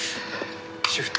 シフト